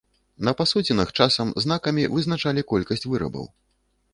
На пасудзінах часам знакамі пазначалі колькасць вырабаў.